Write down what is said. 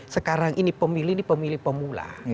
sekarang ini pemilih ini pemilih pemula